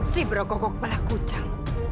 si brokok kok belakucang